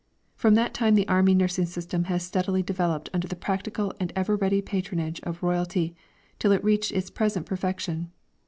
From that time the Army nursing system has steadily developed under the practical and ever ready patronage of Royalty, till it reached its present perfection.